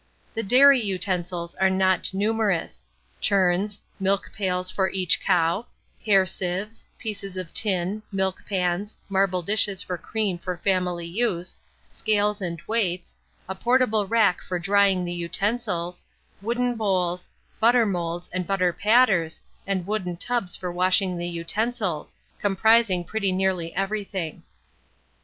The dairy utensils are not numerous, churns, milk pails for each cow, hair sieves, slices of tin, milk pans, marble dishes for cream for family use, scales and weights, a portable rack for drying the utensils, wooden bowls, butter moulds and butter patters, and wooden tubs for washing the utensils, comprising pretty nearly everything.